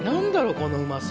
このうまさ。